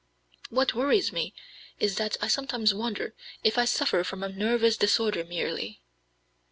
What worries me is that I sometimes wonder if I suffer from a nervous disorder merely."